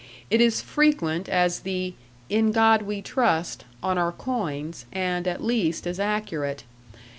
It is frequent as the "In God We Trust" on our coins, and at least as accurate.